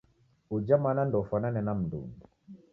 Uja mwana ndoufwanane na m'ndungi.